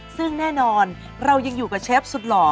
ซึ่งแน่นอนเรายังอยู่กับเชฟสุดหล่อ